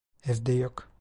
Evde yok.